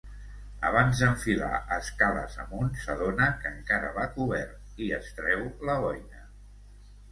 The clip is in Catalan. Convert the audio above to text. Abans d'enfilar escales amunt s'adona que encara va cobert i es treu la boina.